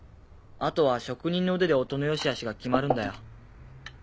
あとは職人の腕で音の良しあしが決まるんだよ。